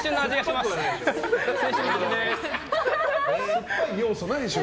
酸っぱくはないでしょ。